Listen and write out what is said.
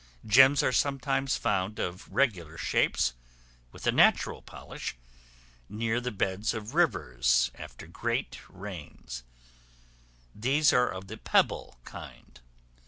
Gems are sometimes found of regular shapes, with a natural polish, near the beds of rivers after great rains; these are of the pebble kind.